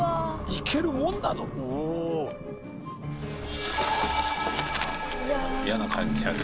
行けるもんなの⁉嫌な感じある。